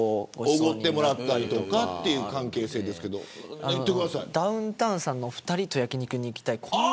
おごってもらったりという関係性ですがダウンタウンさんの２人と焼き肉に行きたい。